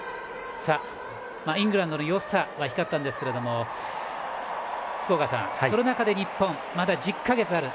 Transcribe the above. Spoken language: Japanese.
イングランドのよさは光ったんですけれども福岡さん、その中で日本まだ１０か月ある。